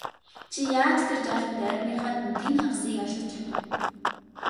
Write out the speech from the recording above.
Чи яаж тэр жаал хүүд армийнхаа тэн хагасыг алдаж чадав?